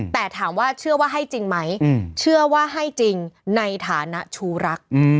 แต่ถามว่าเชื่อว่าให้จริงไหมเชื่อว่าให้จริงในฐานะชูรัก